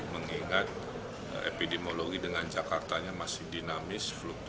mengingat epidemiologi dengan jakartanya masih dinamis